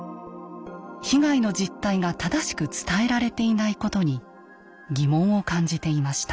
被害の実態が正しく伝えられていないことに疑問を感じていました。